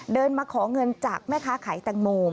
เดินมาขอเงินจากแม่ค้าขายแตงโม